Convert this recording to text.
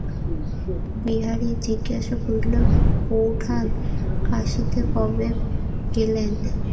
বিহারী জিজ্ঞাসা করিল, বোঠান কাশীতে কবে গেলেন।